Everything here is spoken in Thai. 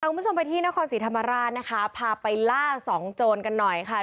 คุณผู้ชมไปที่นครศรีธรรมราชนะคะพาไปล่าสองโจรกันหน่อยค่ะ